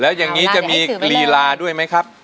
แล้วอย่างนี้จะมีลีลาด้วยไหมครับ